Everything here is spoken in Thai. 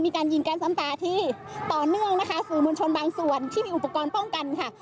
มีการยิงแก๊สน้ำตาที่ต่อเนื่องนะคะสื่อมวลชนบางส่วนที่มีอุปกรณ์ป้องกันค่ะ